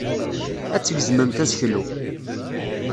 Ad tgezmemt aseklu.